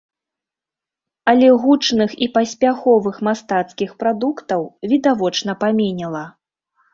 Але гучных і паспяховых мастацкіх прадуктаў відавочна паменела.